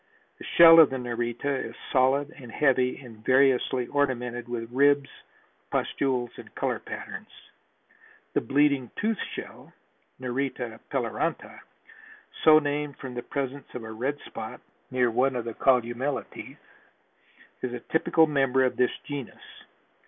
The shell of the Nerita is solid and heavy and variously ornamented with ribs, pustules and color patterns. The "bleeding tooth shell" (Nerita peloronta), so named from the presence of a red spot near one of the columella teeth, is a typical member of this genus.